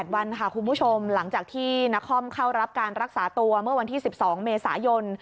วันค่ะคุณผู้ชมหลังจากที่นครเข้ารับการรักษาตัวเมื่อวันที่๑๒เมษายน